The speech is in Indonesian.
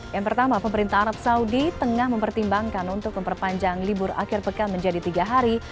yang pertama pemerintah arab saudi tengah mempertimbangkan untuk memperpanjang libur akhir pekan menjadi tiga hari